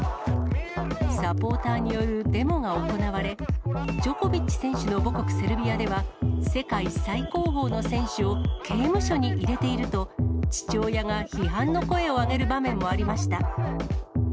サポーターによるデモが行われ、ジョコビッチ選手の母国セルビアでは、世界最高峰の選手を刑務所に入れていると、父親が批判の声を上げる場面もありました。